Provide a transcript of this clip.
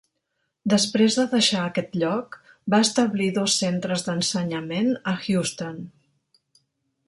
Després de deixar aquest lloc, va establir dos centres d'ensenyament a Houston.